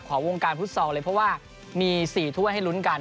วงการฟุตซอลเลยเพราะว่ามี๔ถ้วยให้ลุ้นกัน